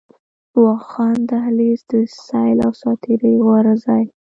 واخان دهلېز، د سيل او ساعتري غوره ځای